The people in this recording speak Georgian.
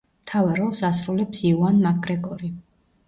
მთავარ როლს ასრულებს იუან მაკგრეგორი.